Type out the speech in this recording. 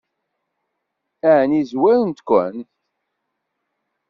Ɛni zwarent-ken?